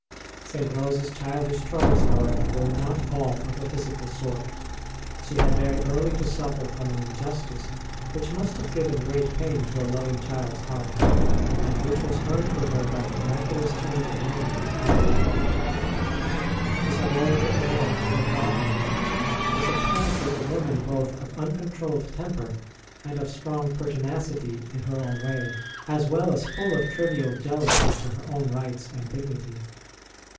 St. Rose s childish troubles, however, were not ST. ROSE S CHILDHOOD 43 all of a physical sort ; she had very early to suffer from an injustice which must have given great pain to a loving child s heart, and which was earned for her by the miraculous change of name recounted above. Isabel de Herera, her god mother, was apparently a woman both of uncon trolled temper and of strong pertinacity in her own way, as well as full of trivial jealousy for her own rights and dignity.